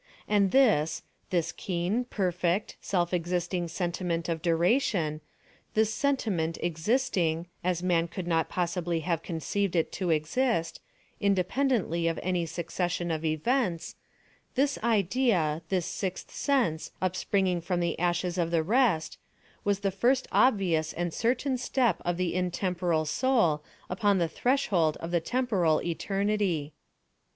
And this—this keen, perfect, self existing sentiment of duration—this sentiment existing (as man could not possibly have conceived it to exist) independently of any succession of events—this idea—this sixth sense, upspringing from the ashes of the rest, was the first obvious and certain step of the intemporal soul upon the threshold of the temporal Eternity.